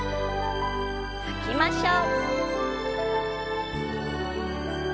吐きましょう。